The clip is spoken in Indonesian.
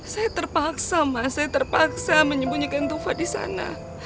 saya terpaksa mas saya terpaksa menyembunyikan tufa disana